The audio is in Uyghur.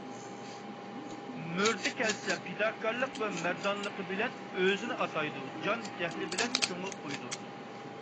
مۆرىتى كەلسە پىداكارلىقى ۋە مەردانىلىقى بىلەن ئۆزىنى ئاتايدۇ، جان - جەھلى بىلەن كۆڭۈل قويىدۇ.